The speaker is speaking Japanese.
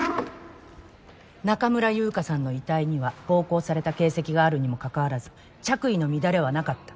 中村優香さんの遺体には暴行された形跡があるにもかかわらず着衣の乱れはなかった。